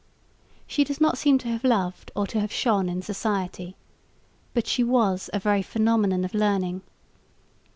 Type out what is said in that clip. She does not seem to have loved or to have shone in society, but she was a very phenomenon of learning.